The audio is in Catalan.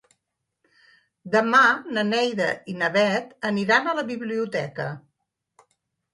Demà na Neida i na Bet aniran a la biblioteca.